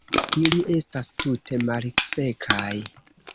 Ili estas tute malsekaj.